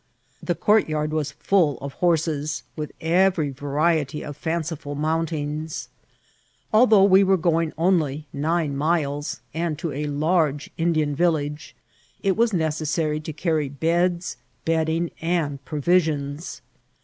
The courtyard was full of horses^ with every va riety of fanciful mountings. Althou^ we were going only nine miles, and to a large Indian village, it was necessary to carry beds, bedding, and provisions.